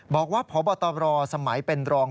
บอกว่าพบตรสมัยเป็นรอง